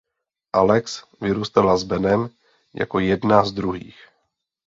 Alex vyrůstala s Benem jako jedna z Druhých.